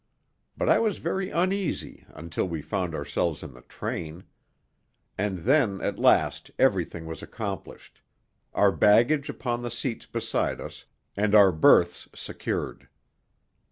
But I was very uneasy until we found ourselves in the train. And then at last everything was accomplished our baggage upon the seats beside us and our berths secured.